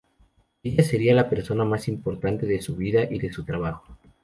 Ella sería la persona más importante de su vida y de su trabajo.